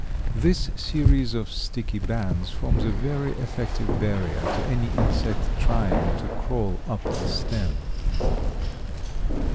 This series of sticky bands forms a very effective barrier to any insect trying to crawl up the stem.